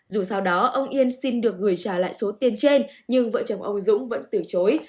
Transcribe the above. dù sau đó ông yên xin được gửi trả lại số tiền trên nhưng vợ chồng ông dũng vẫn từ chối